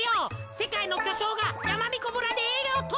せかいのきょしょうがやまびこ村でえいがをとってるんだよ。